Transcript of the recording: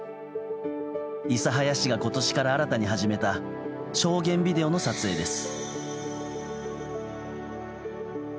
諫早市が今年から新たに始めた証言ビデオの撮影です。